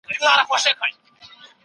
لاسکي ويلي وو چي سياست د ګټلو پوهه ده.